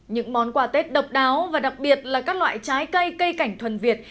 những món quà tết độc đáo và đặc biệt là các loại trái cây cây cảnh thuần việt